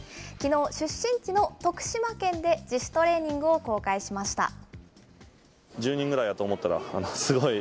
きのう、出身地の徳島県で、自主トレーニングを公開しました。